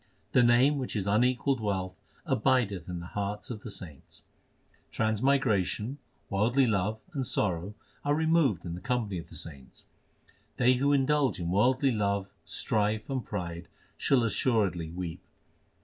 The Name, which is unequalled wealth, abideth in the hearts of the saints. Transmigration, worldly love, and sorrow are removed in the company of the saints. They who indulge in worldly love, strife, and pride shall assuredly weep.